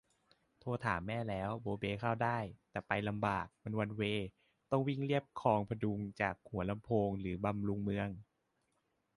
โทรถามแม่แล้ว โบ๊เบ๊เข้าได้ แต่ไปลำบาก มันวันเวย์ ต้องวิ่งเลียบคลองผดุงจากหัวลำโพงหรือบำรุงเมือง